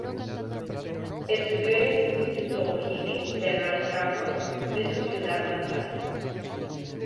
Estudió en el Instituto O'Higgins de Rancagua de su ciudad natal.